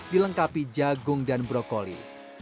dilengkapi jagung dan brokoli